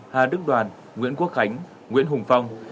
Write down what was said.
hà đức đoàn nguyễn quốc khánh nguyễn hùng phong